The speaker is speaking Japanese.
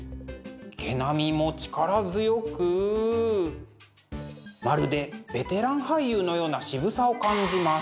毛並みも力強くまるでベテラン俳優のような渋さを感じます。